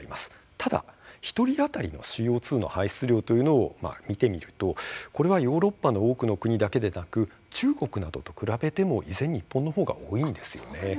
ただ、１人当たりのＣＯ２の排出量というのを見てみるとこれはヨーロッパの多くの国だけでなく中国などと比べても、依然日本のほうが多いんですよね。